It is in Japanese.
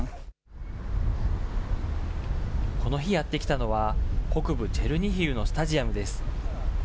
この日、やって来たのは、北部チェルニヒウのスタジアムです。